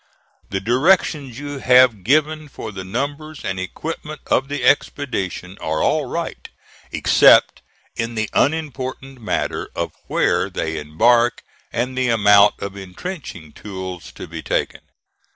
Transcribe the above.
The directions you have given for the numbers and equipment of the expedition are all right, except in the unimportant matter of where they embark and the amount of intrenching tools to be taken.